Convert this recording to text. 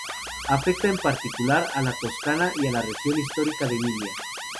Afecta en particular a la Toscana y la región histórica de Emilia.